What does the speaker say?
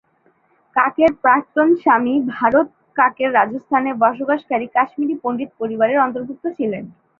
কাকের প্রাক্তন স্বামী ভরত কাক রাজস্থানে বসবাসকারী কাশ্মীরি পণ্ডিত পরিবারের অন্তর্ভুক্ত ছিলেন।